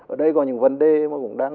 ở đây có những vấn đề mà cũng đang